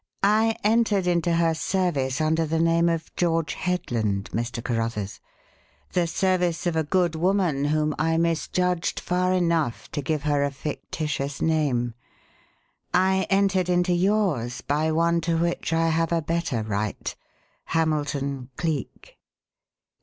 "I entered into her service under the name of George Headland, Mr. Carruthers the service of a good woman whom I misjudged far enough to give her a fictitious name. I entered into yours by one to which I have a better right Hamilton Cleek!"